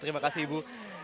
terima kasih ibu